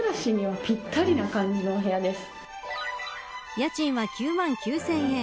家賃は９万９０００円。